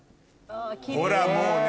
ほらもうね。